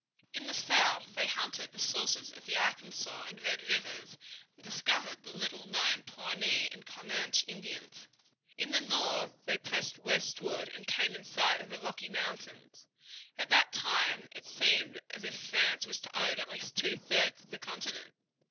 In the south they hunted the sources of the Arkansas and Red Rivers, and discovered the little known Pawnee and Comanche Indians. In the north they pressed westward and came in sight of the Rocky Mountains. At that time it seemed as if France was to own at least two thirds of the continent.